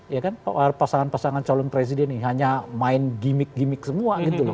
ya kan pasangan pasangan calon presiden ini hanya main gimmick gimmick semua gitu loh